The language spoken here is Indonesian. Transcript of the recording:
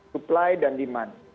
supply dan demand